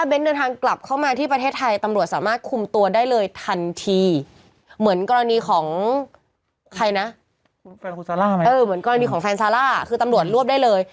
เออเหมือนการมีของแฟนซาร่าคือตำรวจรวบได้เลย